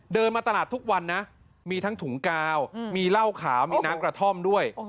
เดินมาตลาดทุกวันนะมีทั้งถุงกาวมีเหล้าขาวมีน้ำกระท่อมด้วย